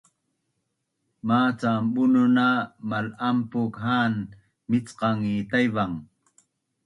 Macam Bunun na mal’anpuk ha’an micqang ngi Taivang